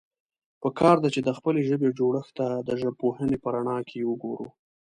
پکار ده، چې د خپلې ژبې جوړښت ته د ژبپوهنې په رڼا کې وګورو.